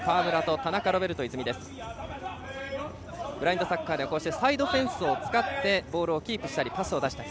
ブラインドサッカーではサイドフェンスを使ってボールをキープしたりパスを出したり。